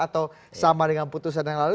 atau sama dengan putusan yang lalu